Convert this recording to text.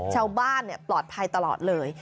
ชาวบ้านเนี่ยปลอดภัยตลอดเลย